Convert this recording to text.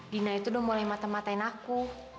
dina itu udah mulai mata matain aku